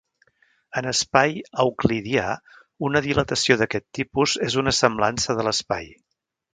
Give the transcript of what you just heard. En espai euclidià, una dilatació d'aquest tipus és una semblança de l'espai.